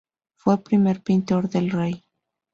Fue primer pintor del rey.